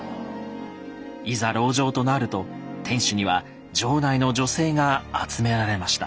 いざ籠城となると天守には城内の女性が集められました。